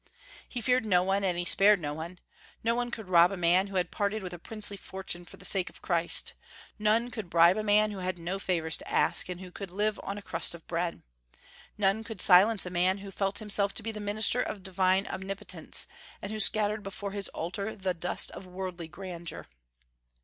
He feared no one, and he spared no one. None could rob a man who had parted with a princely fortune for the sake of Christ; none could bribe a man who had no favors to ask, and who could live on a crust of bread; none could silence a man who felt himself to be the minister of divine Omnipotence, and who scattered before his altar the dust of worldly grandeur.